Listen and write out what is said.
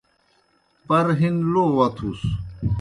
پر ہِن لو وتُھس۔